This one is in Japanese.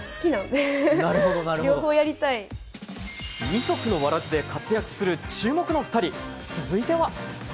二足のわらじで活躍する注目の２人、続いては。